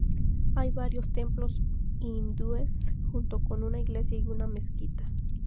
Hay varios templos hindúes, junto con una iglesia y una mezquita.